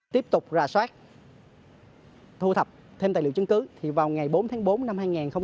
tiếp tục rà soát thu thập thêm tài liệu chứng cứ thì vào ngày bốn tháng bốn năm hai nghìn hai mươi ba